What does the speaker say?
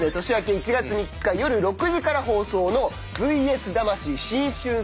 年明け１月３日夜６時から放送の『ＶＳ魂』新春